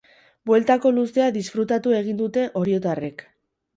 Bueltako luzea disfrutatu egin dute oriotarrek.